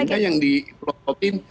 jangan yang diprotokin